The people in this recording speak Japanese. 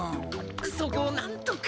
そこをなんとか！